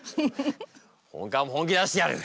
本官も本気出してやる！